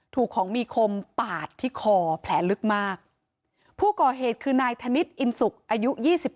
ถูกของมีคมปาดที่คอแผลลึกมากผู้ก่อเหตุคือนายธนิษฐอินสุกอายุ๒๘